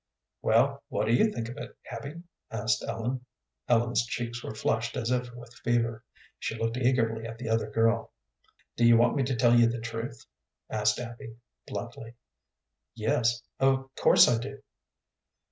"Well, what do you think of it, Abby?" asked Ellen. Ellen's cheeks were flushed as if with fever. She looked eagerly at the other girl. "Do you want me to tell you the truth?" asked Abby, bluntly. "Yes, of course I do."